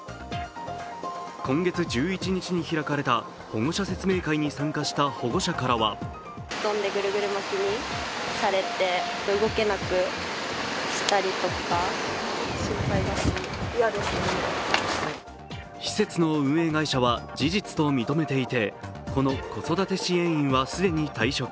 今月１１日に開かれた保護者説明会に参加した保護者からは施設の運営会社は事実と認めていて、この子育て支援員は既に退職。